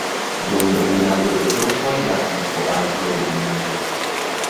Dum dominado de turkoj la konstruaĵo ruiniĝis.